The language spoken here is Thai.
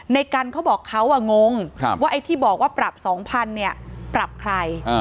ในกันเขาบอกเขางงว่าไอ้ที่บอกว่าปรับ๒๐๐เนี่ยปรับใคร